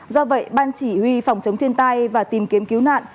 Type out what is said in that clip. do vậy ban chỉ huy phòng chống thiên tai và tìm kiếm cứu nạn